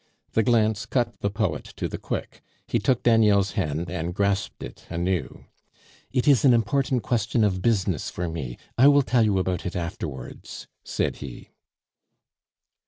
The glance cut the poet to the quick; he took Daniel's hand and grasped it anew. "It is an important question of business for me; I will tell you about it afterwards," said he.